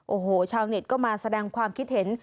โอ้โหชาวเน็ตก็มาแสดงความคิดเห็น